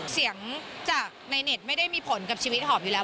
เสียงจากในเน็ตไม่ได้มีผลกับชีวิตหอมอยู่แล้ว